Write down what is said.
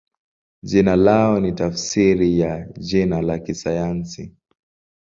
Jina lao ni tafsiri ya jina la kisayansi.